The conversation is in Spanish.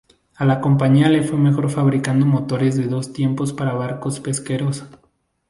A la compañía le fue mejor fabricando motores de dos tiempos para barcos pesqueros.